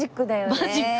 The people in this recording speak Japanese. マジック。